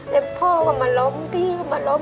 แต่พ่อก็มาล้มที่มาล้ม